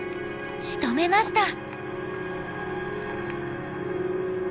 しとめました。